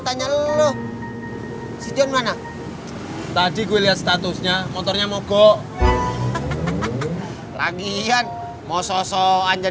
tanya lo si john mana tadi gue lihat statusnya motornya mogok hahaha lagi iyan mau sosok aja